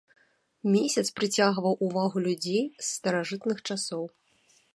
Месяц прыцягваў увагу людзей з старажытных часоў.